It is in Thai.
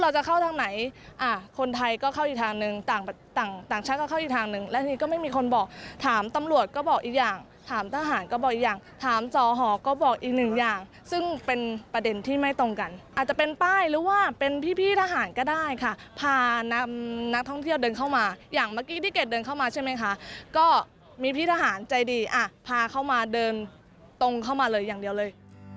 ใจดีพาเข้ามาเดินตรงเข้ามาเลยอย่างเดียวเลย